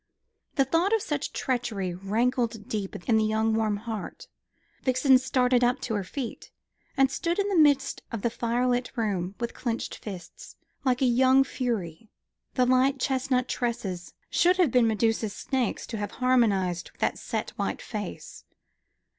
The thought of such treachery rankled deep in the young warm heart. Vixen started up to her feet, and stood in the midst of the firelit room, with clinched fists, like a young fury. The light chestnut tresses should have been Medusa's snakes to have harmonised with that set white face.